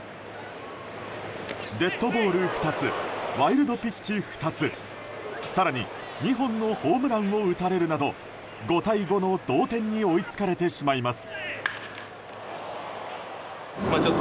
デッドボール２つワイルドピッチ２つ更に、２本のホームランを打たれるなど５対５の同点に追いつかれてしまいます。